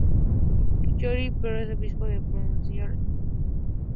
George, y por el obispo de Boston, monseñor Benedict Fenwick.